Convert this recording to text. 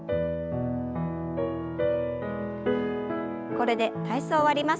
これで体操を終わります。